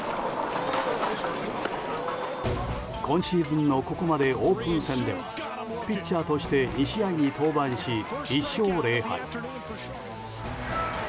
今シーズンのここまでオープン戦ではピッチャーとして２試合に登板し１勝０敗。